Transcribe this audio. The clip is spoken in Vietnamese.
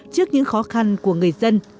trước những khó khăn của người dân